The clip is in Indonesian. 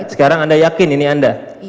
sekarang anda yakin ini anda